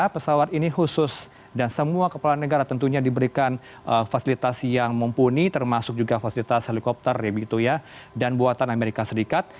pesawat ini khusus dan semua kepala negara tentunya diberikan fasilitas yang mumpuni termasuk juga fasilitas helikopter dan buatan amerika serikat